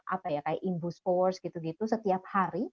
apa ya kayak invos force gitu gitu setiap hari